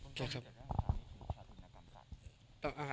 นี่แปลกับได้หรือไม่อย่างไร